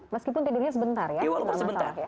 meskipun tidurnya sebentar ya